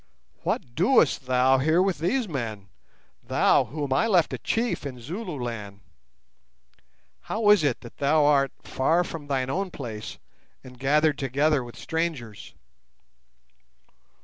What doest thou here with these men—thou whom I left a chief in Zululand? How is it that thou art far from thine own place, and gathered together with strangers?"